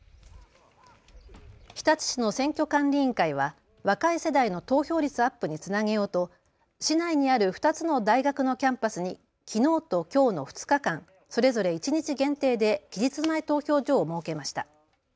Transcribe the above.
日立市の選挙管理委員会は若い世代の投票率アップにつなげようと市内にある２つの大学のキャンパスにきのうときょうの２日間、それぞれ一日限定で期日前投票所を設けました。